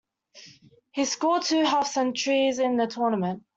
He scored two half-centuries in the tournament.